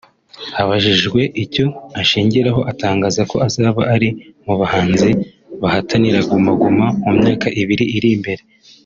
Abajijwe icyo ashingiraho atangaza ko azaba ari mu bahanzi bahatanira Guma Guma mu myaka ibiri iri imbere